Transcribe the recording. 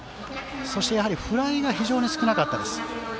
そして、フライが非常に少なかったです。